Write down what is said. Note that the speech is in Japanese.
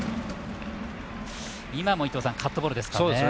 今もカットボールですかね。